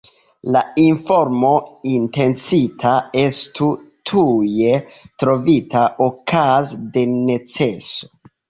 La informo intencita estu tuje trovita okaze de neceso.